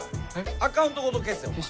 アカウントごと消せお前。